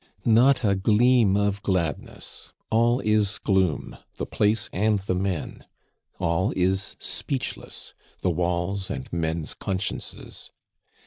Not a gleam of gladness! all is gloom the place and the men. All is speechless the walls and men's consciences.